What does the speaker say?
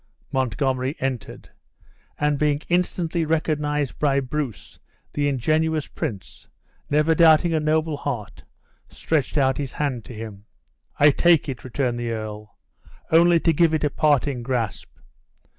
Montgomery entered; and being instantly recognized by Bruce, the ingenuous prince, never doubting a noble heart, stretched out his hand to him. "I take it," returned the earl, "only to give it a parting grasp.